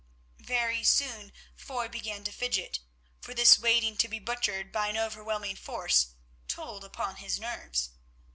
Very soon Foy began to fidget, for this waiting to be butchered by an overwhelming force told upon his nerves.